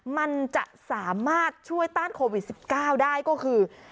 มันจะสามารถช่วยต้านโควิด๑๙ได้ก็คือ